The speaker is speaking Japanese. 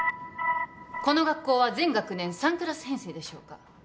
この学校は全学年３クラス編成でしょうか？